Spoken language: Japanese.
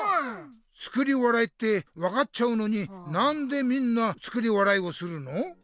「作り笑い」って分かっちゃうのになんでみんな作り笑いをするの？